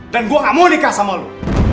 dan gue gak mau nikah sama lo